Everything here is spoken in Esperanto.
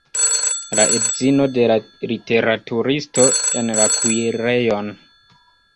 La edzino de literaturisto en la kuirejon!